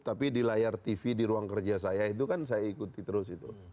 tapi di layar tv di ruang kerja saya itu kan saya ikuti terus itu